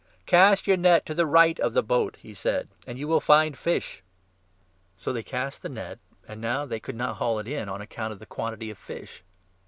" Cast your net to the right of the boat," he said, " and you 6 will find fish." So they cast the net, and now they could not haul it in on 208 JOHN, 21. account of the quantity of fish.